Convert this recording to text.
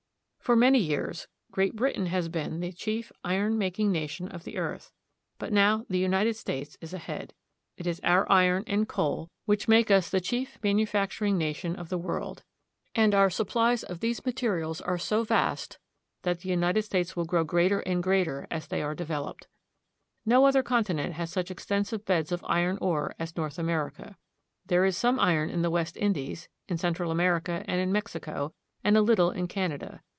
For many years Great Britain has been the chief iron making nation of the earth ; but now the United States is ahead. It is our iron and coal which The Iron Regions. l8o THE GREAT LAKES. make us the chief manufacturing nation of the world ; and our supplies of these materials are so vast that the United States will grow greater and greater as they are developed. No other continent has such extensive beds of iron ore as North America. There is some iron in the West Indies, in Central America, and in Mexico, and a little in Canada.